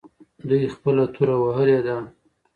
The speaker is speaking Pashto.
دوی خپله توره وهلې ده.